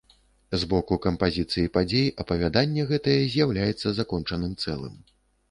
З боку кампазіцыі падзей апавяданне гэтае з'яўляецца закончаным цэлым.